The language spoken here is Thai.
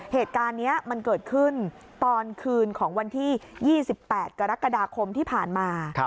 เหตุการณ์นี้มันเกิดขึ้นตอนคืนของวันที่๒๘กรกฎาคมที่ผ่านมา